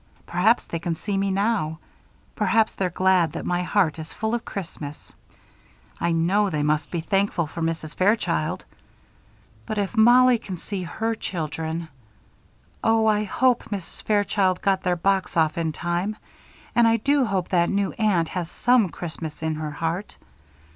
Perhaps they can see me now. Perhaps they're glad that my heart is full of Christmas. I know they must be thankful for Mrs. Fairchild. But if Mollie can see her children Oh, I hope Mrs. Fairchild got their box off in time. And I do hope that new aunt has some Christmas in her heart.